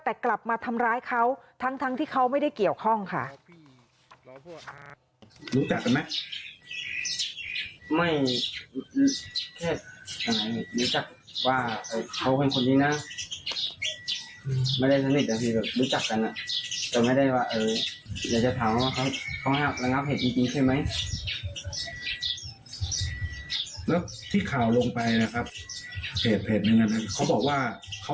แต่กลับมาทำร้ายเขาทั้งที่เขาไม่ได้เกี่ยวข้องค่ะ